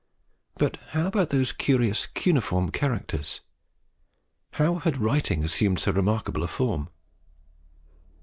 But how about those curious cuneiform characters? How had writing assumed so remarkable a form?